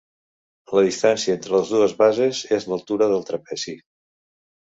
La distància entre les dues bases és l'altura del trapezi.